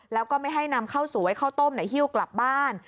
แล้วก็ไม่ให้นำข้าวสวยข้าวต้มหิ้วกลับบ้าน